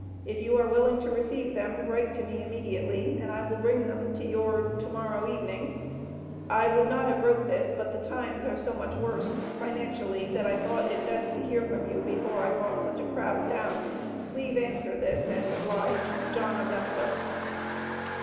If you are willing to Receve them write to me imediately and I will bring them to your To morrow Evening I would not Have wrote this But the Times are so much worse Financialy that I thought It best to hear From you Before I Brought such a Crowd Down Pleas Answer this and Oblige JOHN AUGUSTA.